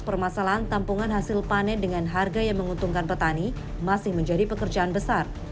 permasalahan tampungan hasil panen dengan harga yang menguntungkan petani masih menjadi pekerjaan besar